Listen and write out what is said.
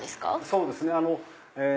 そうですね。